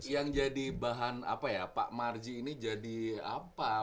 yang jadi bahan apa ya pak marji ini jadi apa